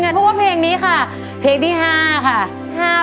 เพราะว่าเพลงนี้ค่ะเพลงที่๕ค่ะ